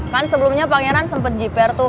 kan sebelumnya pangeran sempat jiper tuh